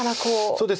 そうですね